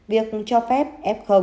việc cho phép f